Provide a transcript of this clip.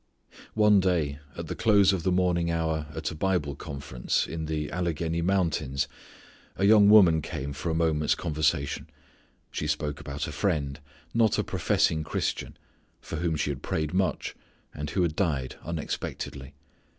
One day at the close of the morning hour at a Bible conference in the Alleghany Mountains a young woman came up for a moment's conversation. She spoke about a friend, not a professing Christian, for whom she had prayed much, and who had died unexpectedly.